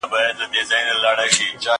زه پرون کالي مينځل